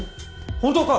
本当か？